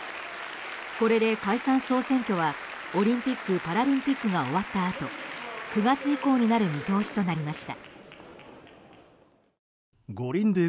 これで解散・総選挙はオリンピック・パラリンピックが終わったあと、９月以降になる見通しとなりました。